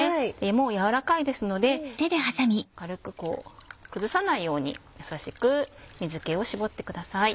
もうやわらかいですので軽く崩さないように優しく水気を絞ってください。